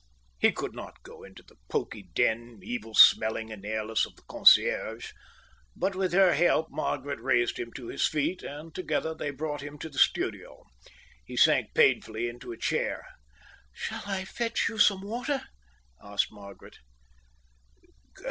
He could not go into the poky den, evil smelling and airless, of the concierge. But with her help Margaret raised him to his feet, and together they brought him to the studio. He sank painfully into a chair. "Shall I fetch you some water?" asked Margaret.